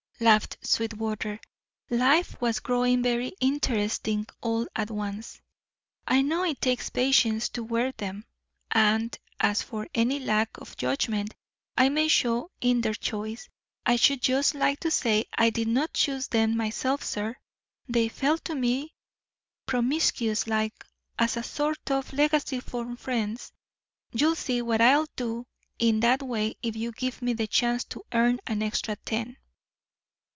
laughed Sweetwater. Life was growing very interesting all at once. "I know it takes patience to WEAR them, and as for any lack of judgment I may show in their choice, I should just like to say I did not choose them myself, sir; they fell to me promiscuous like as a sort of legacy from friends. You'll see what I'll do in that way if you give me the chance to earn an extra ten."